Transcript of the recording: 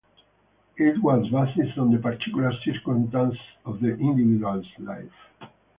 It was based on the particular circumstances of the individual's life.